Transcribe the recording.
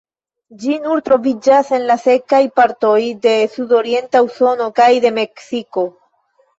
Ĝi nur troviĝas en la sekaj partoj de sudorienta Usono kaj de Meksiko.